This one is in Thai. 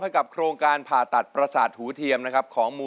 คนหัวหนวกในพระบรมราชินูปฐำครับค่ะนะคะ